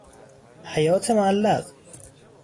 حیات معلق